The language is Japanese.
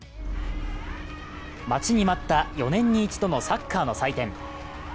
待ちに待った４年に一度のサッカーの祭典。